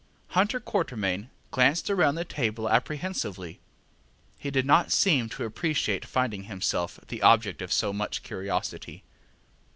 ŌĆØ Hunter Quatermain glanced round the table apprehensively; he did not seem to appreciate finding himself the object of so much curiosity.